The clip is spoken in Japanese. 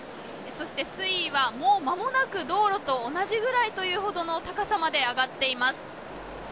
そして、水位はもうまもなく道路と同じくらいというほどの高さまで上がっています。